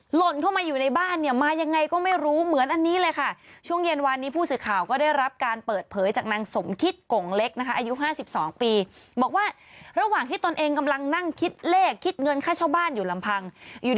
หล่นเข้ามาอยู่ในบ้านมายังไงก็ไม่รู้